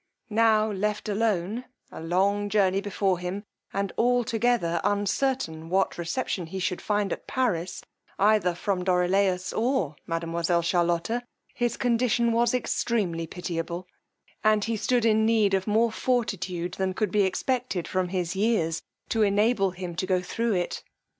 Now left alone, a long journey before him, and altogether uncertain what reception he should find at Paris, either from Dorilaus or mademoiselle Charlotta, his condition was extremely pityable, and he stood in need of more fortitude than could be expected from his years, to enable him to go thro' it.